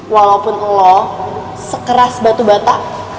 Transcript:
walaupun lo sekeras batu bata